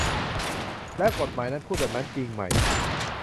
และกฎหมายนั้นพูดแบบนั้นจริงไหม